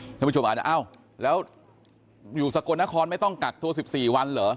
ท่านผู้ชมอาจจะอ้าวแล้วอยู่สกลนครไม่ต้องกักตัว๑๔วันเหรอ